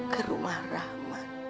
ke rumah rahmat